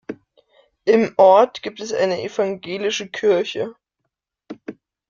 Im Ort gibt es eine evangelische Kirche.